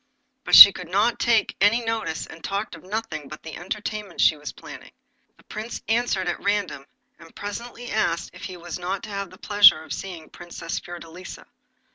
But she would not take any notice, and talked of nothing but the entertainments she was planning. The Prince answered at random, and presently asked if he was not to have the pleasure of seeing the Princess Fiordelisa.